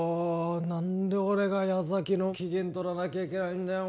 何で俺が矢崎の機嫌とらなきゃいけないんだよ